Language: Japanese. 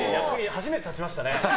初めて役に立ちましたね。